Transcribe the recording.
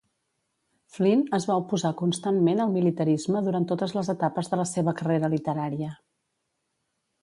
Flynn es va oposar constantment al militarisme durant totes les etapes de la seva carrera literària.